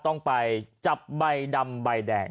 ต้องไปจับใบดำใบแดง